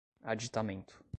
aditamento